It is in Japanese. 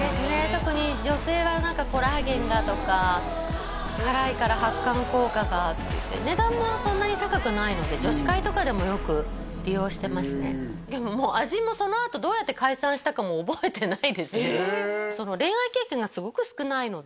特に女性は何かコラーゲンがとか辛いから発汗効果がっていって値段もそんなに高くないので女子会とかでもよく利用してますねでももう味もそのあとどうやって解散したかも覚えてないですえっ！